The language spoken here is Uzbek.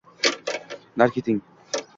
Nari keting!